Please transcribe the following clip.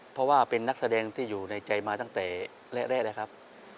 เพราะว่าเป็นนักแสดงที่อยู่ในใจมาตั้งแต่แรกแล้วครับ